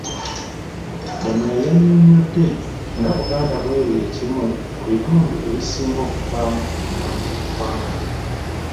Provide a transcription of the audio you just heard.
Damulira yannyonnyodde nga Buganda bw'eri ekimu ku bitundu ebisinga okuvaamu emmwanyi mu ggwanga.